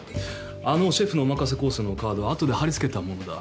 あのシェフのお任せコースのカードは後で張り付けたものだ。